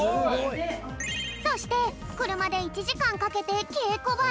そしてくるまで１じかんかけてけいこばへ！